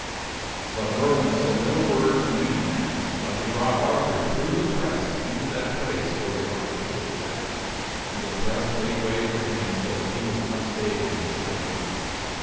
" But Merlin said no word to any man, but he brought Arthur through the press unto that place where the Archbishop sat; and the press made way for him so that he was not stayed in his going.